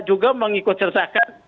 juga mengikut sertakan